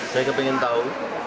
saya ingin tahu